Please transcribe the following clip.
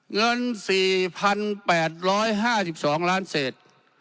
เงิน๔๘๕๒ล้านเศษ